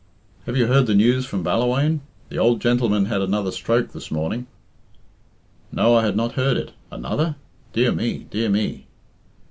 "Have you heard the news from Ballawhaine? The old gentleman had another stroke this morning." "No, I had not heard it. Another? Dear me, dear me!"